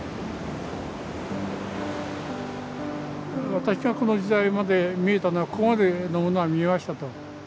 私がこの時代まで見えたのはここまでのものは見ましたと。